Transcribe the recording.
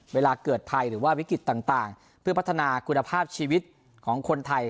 เวลาเกิดภัยหรือว่าวิกฤตต่างเพื่อพัฒนาคุณภาพชีวิตของคนไทย